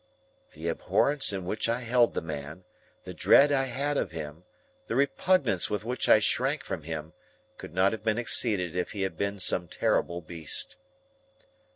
The abhorrence in which I held the man, the dread I had of him, the repugnance with which I shrank from him, could not have been exceeded if he had been some terrible beast.